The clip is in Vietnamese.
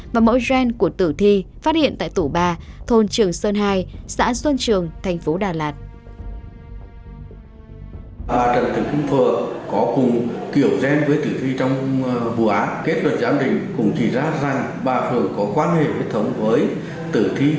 và mẫu gen của bà thôn trường sơn hai xã xuân trường thành phố đà lạt